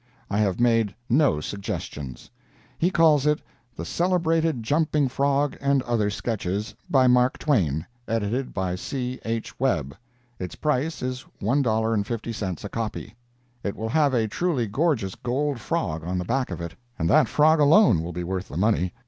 I have made no suggestions. He calls it "THE CELEBRATED JUMPING FROG, AND OTHER SKETCHES, by 'Mark Twain.' Edited by C. H. Webb." Its price is $1.50 a copy. It will have a truly gorgeous gold frog on the back of it, and that frog alone will be worth the money.